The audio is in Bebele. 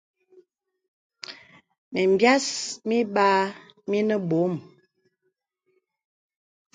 Mìm bìàs mìbàà mìnə bɔ̄m.